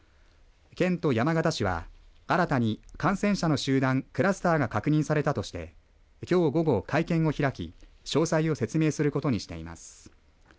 県と山形市は、新たに感染者の集団、クラスターが確認されたとしてきょう午後、会見を開き詳細を説明することにしています。